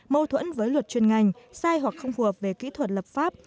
mâu thuẫn với luật chuyên ngành sai hoặc không phù hợp về kỹ thuật lập pháp